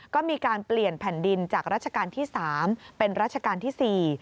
ก็มีการเปลี่ยนแผ่นดินจากราชการที่๓เป็นรัชกาลที่๔